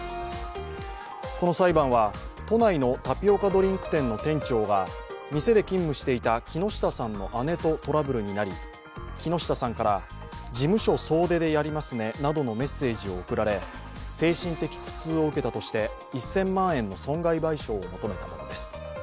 この裁判は、都内のタピオカドリンク店の店長が店で勤務していた木下さんの姉とトラブルになり木下さんから事務所総出でやりますねなどのメッセージを送られ、精神的苦痛を受けたとして１０００万円の損害賠償を求めたものです。